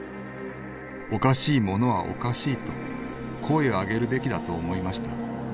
おかしいモノはおかしいと声を上げるべきだと思いました。